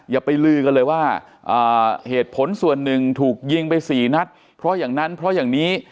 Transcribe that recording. อย่าไปลือกันเลยว่าเหตุผลส่วนหนึ่งถูกยิงไปสี่นัดเพราะอย่างนั้นเพราะอย่างนี้